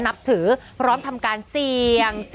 นับถือพร้อมทำการเสี่ยง